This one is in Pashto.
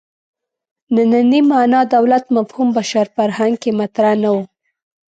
نننۍ معنا دولت مفهوم بشر فرهنګ کې مطرح نه و.